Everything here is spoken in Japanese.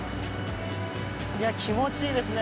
いや、気持ちいいですね。